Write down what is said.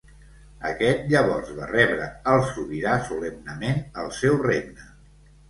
Aquest llavors va rebre al sobirà solemnement al seu regne.